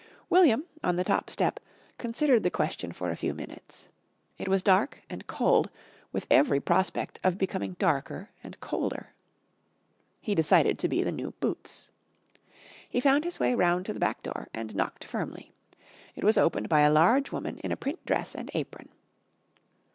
William, on the top step, considered the question for a few minutes. It was dark and cold, with every prospect of becoming darker and colder. He decided to be the new Boots. He found his way round to the back door and knocked firmly. It was opened by a large woman in a print dress and apron.